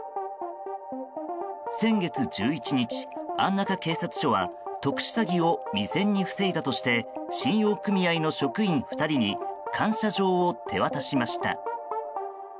先月１１日、安中警察署は特殊詐欺を未然に防いだとして信用組合の職員２人に感謝状を手渡しました。